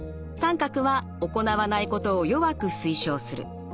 △は行わないことを弱く推奨する。